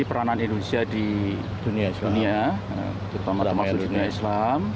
peranan indonesia di dunia terutama dalam dunia islam